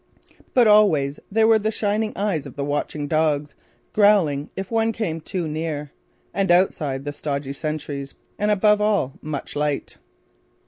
But always there were the shining eyes of the watching dogs, growling, if one came too near, and outside the stodgy sentries; and above all, much light.